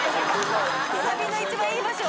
サビの一番いい場所。